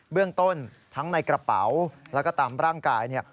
เรื่องต้นทั้งในกระเป๋าแล้วก็ตามร่างกาย